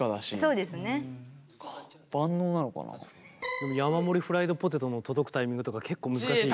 でも山盛りフライドポテトの届くタイミングとか結構難しいよ。